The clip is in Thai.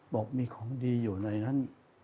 บอกมีของดีอยู่ในนั้น